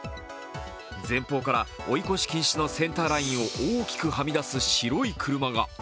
前方から追い越し禁止のセンターラインを大きくはみ出す白い車が。